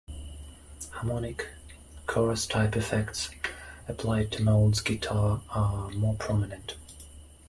Harmonic, chorus-type effects applied to Mould's guitar are more prominent.